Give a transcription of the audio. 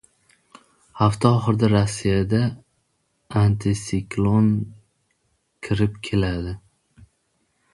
Hafta oxirida Rossiyadan antitsiklon kirib keladi